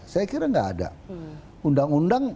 saya kira tidak ada